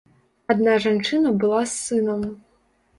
Адна жанчына была з сынам.